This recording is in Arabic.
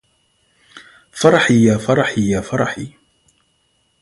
فرحي يا فرحي يا فرحي